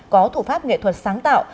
có thủ pháp nghệ thuật sáng tạo